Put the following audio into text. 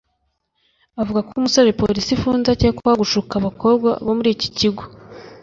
Avuga ko umusore polisi ifunze akekwaho gushuka abakobwa bo muri iki kigo